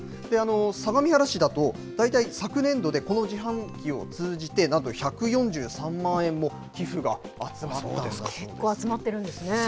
相模原市だと、大体昨年度でこの自販機を通じて、なんと１４３万結構集まってるんですね。